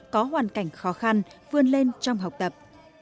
có hoàn cảnh khó khăn vươn lên trong học tập